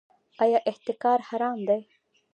آیا احتکار حرام دی؟